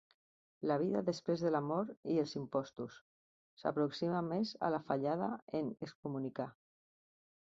"La vida després de la mort i els impostos" s'aproxima més a la "Fallada en excomunicar".